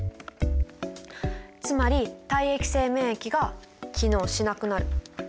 つまり体液性免疫が機能しなくなる。